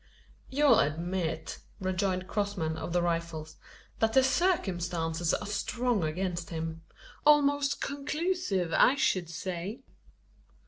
"You'll admit," rejoined Crossman, of the Rifles, "that the circumstances are strong against him? Almost conclusive, I should say."